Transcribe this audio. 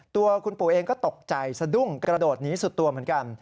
ตัวคุณปู่เองก็ตกใจสะดุ้งกระโดดหนีสุดตัวเหมือนกัน